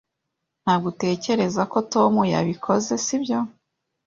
Ntabwo utekereza ko Tom yabikoze, sibyo?